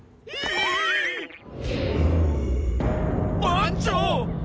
番長！